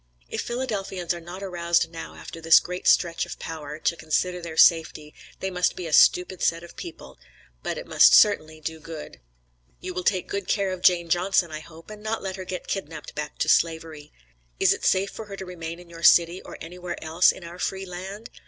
If Philadelphians are not aroused now after this great stretch of power, to consider their safety, they must be a stupid set of people, but it must certainly do good. You will take good care of Jane Johnson, I hope, and not let her get kidnapped back to Slavery. Is it safe for her to remain in your city or anywhere else in our "free land?"